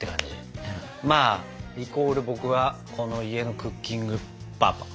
まあイコール僕はこの家のクッキングパパ。